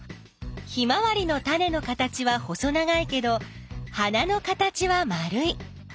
ヒマワリのタネの形は細長いけど花の形は丸い。